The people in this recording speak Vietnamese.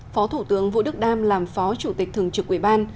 phó thủ tướng vũ đức đam làm phó chủ tịch thường trực ủy ban